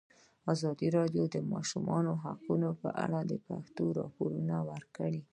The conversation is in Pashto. ازادي راډیو د د ماشومانو حقونه په اړه د پېښو رپوټونه ورکړي.